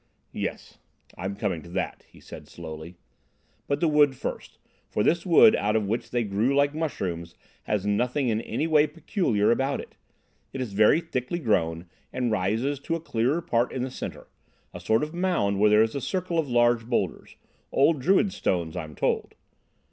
"Yes, I'm coming to that," he said slowly, "but the wood first, for this wood out of which they grew like mushrooms has nothing in any way peculiar about it. It is very thickly grown, and rises to a clearer part in the centre, a sort of mound where there is a circle of large boulders—old Druid stones, I'm told.